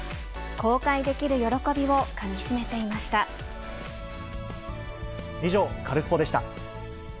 公開できる喜びをかみしめて以上、カルスポっ！でした。